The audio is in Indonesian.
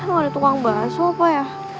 gak ada tukang baso apa ya